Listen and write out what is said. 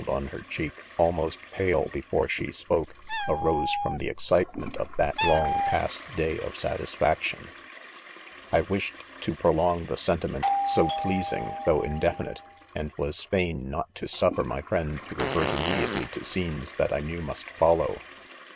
Ued^on her cheek; almost 'pale be/for e;s;le; spoke r ' ifose from the' excitement of that long past day of satisfaction* THE CONFESSIONS. 121' " I wished to piolong the sentiment so plea™ sing*, tho 5 indefinite, and was fain not to sniffer my friend to invert immediately to scenes that I knew must follow.